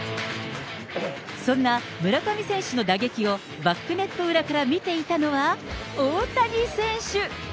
そんな村上選手の打撃をバックネット裏から見ていたのは、大谷選手。